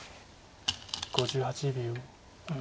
５８秒。